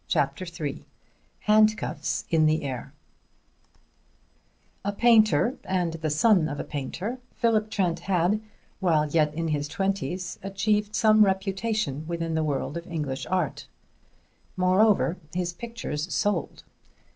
CHAPTER III HANDCUFFS IN THE AIR A painter and the son of a painter, Philip Trent had, while yet in his twenties, achieved some reputation within the world of English art. Moreover, his pictures sold.